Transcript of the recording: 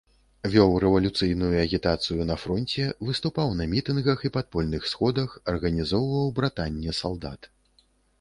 Вёў рэвалюцыйную агітацыю на фронце, выступаў на мітынгах і падпольных сходах, арганізоўваў братанне салдат.